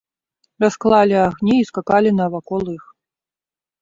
Расклалі агні і скакалі навакол іх.